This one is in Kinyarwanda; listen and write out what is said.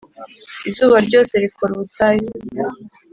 izuba ryose rikora ubutayu